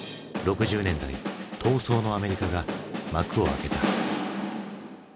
６０年代闘争のアメリカが幕を開けた。